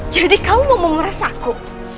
jadi kau mau menguras aku